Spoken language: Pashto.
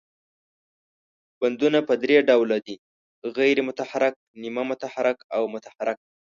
بندونه په درې ډوله دي، غیر متحرک، نیمه متحرک او متحرک.